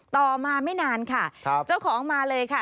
ต่อมาไม่นานค่ะเจ้าของมาเลยค่ะ